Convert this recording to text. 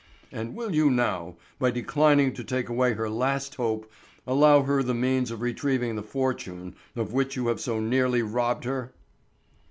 "And will you now, by declining to take away her last hope, allow her the means of retrieving the fortune of which you have so nearly robbed her?"